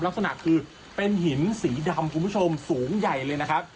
ลักษณะคือเป็นหินสีดำคุณผู้ชมสูงใหญ่เลยนะครับ